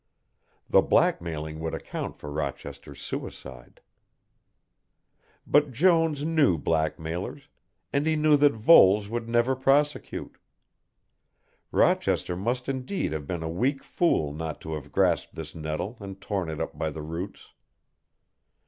The blackmailing would account for Rochester's suicide. But Jones knew blackmailers, and he knew that Voles would never prosecute. Rochester must indeed have been a weak fool not to have grasped this nettle and torn it up by the roots.